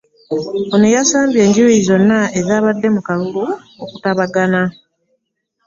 Ono eyasabye enjuyi zonna ezaabadde mu kalulu okutabagana